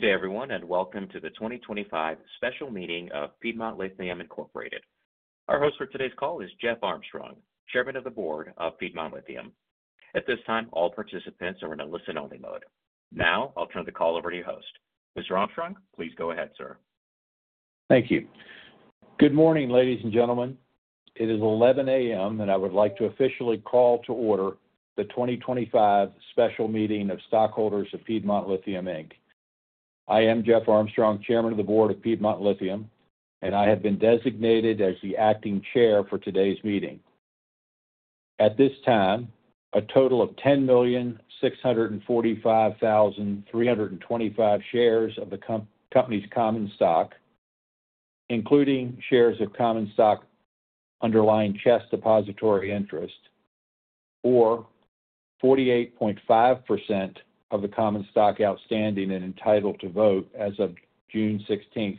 Good day, everyone, and welcome to the 2025 Special Meeting of Piedmont Lithium Inc. Our host for today's call is Jeff Armstrong, Chairman of the Board of Piedmont Lithium. At this time, all participants are in a listen-only mode. Now, I'll turn the call over to your host. Mr. Armstrong, please go ahead, sir. Thank you. Good morning, ladies and gentlemen. It is 11:00 A.M., and I would like to officially call to order the 2025 special meeting of stockholders of Piedmont Lithium Inc. I am Jeff Armstrong, Chairman of the Board of Piedmont Lithium, and I have been designated as the acting Chair for today's meeting. At this time, a total of 10,645,325 shares of the company's common stock, including shares of common stock underlying CHESS Depository Interest, or 48.5% of the common stock outstanding and entitled to vote as of June 16,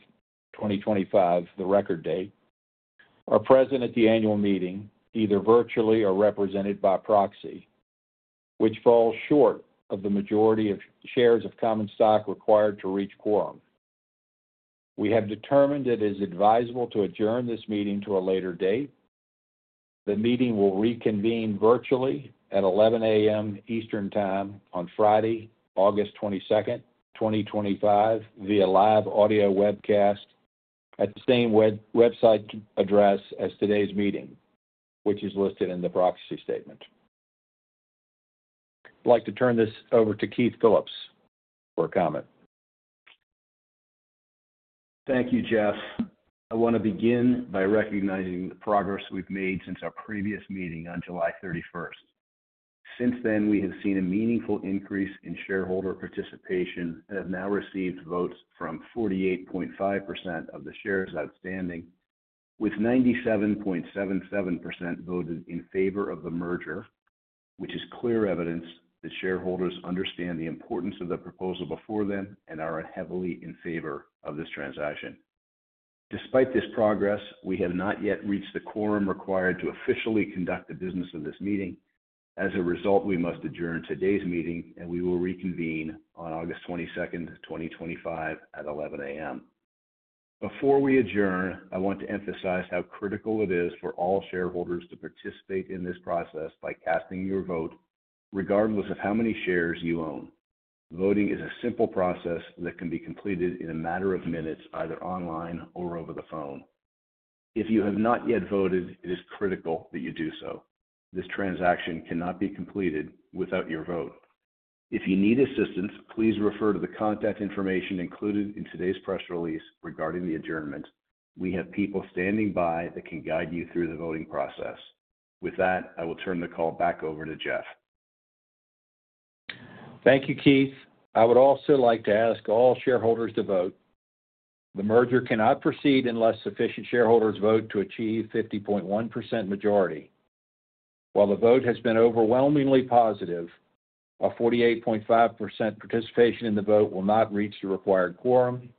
2025, the record date, are present at the annual meeting, either virtually or represented by proxy, which falls short of the majority of shares of common stock required to reach quorum. We have determined it is advisable to adjourn this meeting to a later date. The meeting will reconvene virtually at 11:00 A.M. Eastern Time on Friday, August 22, 2025, via live audio webcast at the same website address as today's meeting, which is listed in the proxy statement. I'd like to turn this over to Keith Phillips for a comment. Thank you, Jeff. I want to begin by recognizing the progress we've made since our previous meeting on July 31st. Since then, we have seen a meaningful increase in shareholder participation and have now received votes from 48.5% of the shares outstanding, with 97.77% voting in favor of the merger, which is clear evidence that shareholders understand the importance of the proposal before them and are heavily in favor of this transaction. Despite this progress, we have not yet reached the quorum required to officially conduct the business of this meeting. As a result, we must adjourn today's meeting, and we will reconvene on August 22, 2025, at 11:00 A.M. Before we adjourn, I want to emphasize how critical it is for all shareholders to participate in this process by casting your vote, regardless of how many shares you own. Voting is a simple process that can be completed in a matter of minutes, either online or over the phone. If you have not yet voted, it is critical that you do so. This transaction cannot be completed without your vote. If you need assistance, please refer to the contact information included in today's press release regarding the adjournment. We have people standing by that can guide you through the voting process. With that, I will turn the call back over to Jeff. Thank you, Keith. I would also like to ask all shareholders to vote. The merger cannot proceed unless sufficient shareholders vote to achieve a 50.1% majority. While the vote has been overwhelmingly positive, a 48.5% participation in the vote will not reach the required quorum.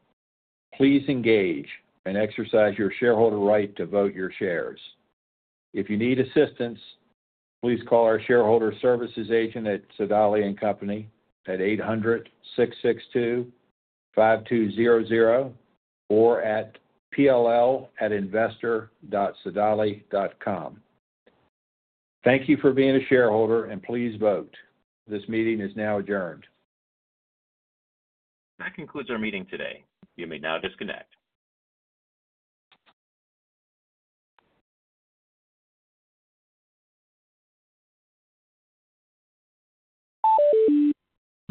Please engage and exercise your shareholder right to vote your shares. If you need assistance, please call our shareholder services agent at Sedale & Company at 800-662-5200 or at pll@investor.sedale.com. Thank you for being a shareholder and please vote. This meeting is now adjourned. That concludes our meeting today. You may now disconnect.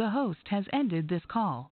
The host has ended this call.